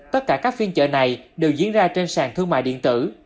tất cả các phiên chợ này đều diễn ra trên sàn thương mại điện tử